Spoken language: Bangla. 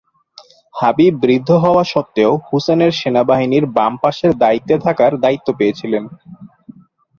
হাবিব বৃদ্ধ হয়েও সত্ত্বেও হুসেনের সেনাবাহিনীর বাম পাশের দায়িত্বে থাকার দায়িত্ব পেয়েছিলেন।